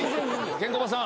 ケンコバさん。